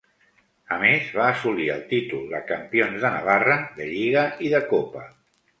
A més, va assolir el títol de Campions de Navarra de lliga i de copa.